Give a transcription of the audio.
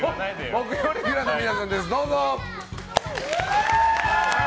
木曜レギュラーの皆さんです。